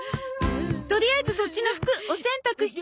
とりあえずそっちの服お洗濯しちゃうわね。